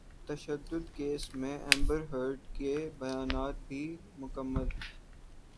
تشدد کیس میں Amber Heard کے بیانات بھی مکمل